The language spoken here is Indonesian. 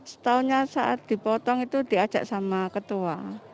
setahunnya saat dipotong itu diajak sama ketua